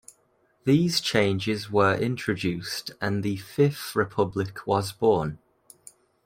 These changes were introduced and the Fifth Republic was born.